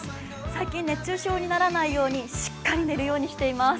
最近熱中症にならないようにしっかり寝るようにしています。